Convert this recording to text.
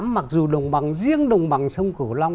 mặc dù đồng bằng riêng đồng bằng sông cửu long